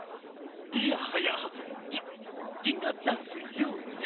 いやはや「ギンガダンスＹＯＹＯ」ね。